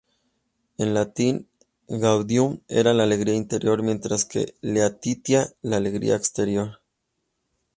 En latín "gaudium" era la alegría interior, mientras que "laetitia" la alegría exterior.